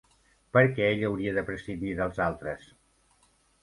Per què ella hauria de prescindir dels altres?